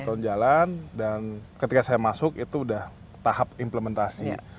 satu tahun jalan dan ketika saya masuk itu udah tahap implementasi